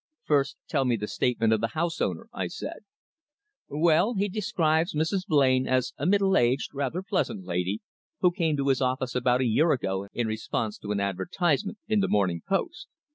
"First, tell me the statement of the house owner," I said. "Well, he describes Mrs. Blain as a middle aged, rather pleasant lady, who came to his office about a year ago in response to an advertisement in the Morning Post.